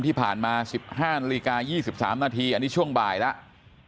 ที่ผ่านมา๑๕นาฬิกา๒๓นาทีอันนี้ช่วงบ่ายแล้ว